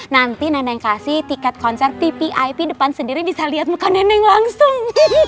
nanti nenek kasih tiket konser t p i p depan sendiri bisa liat muka nenek langsung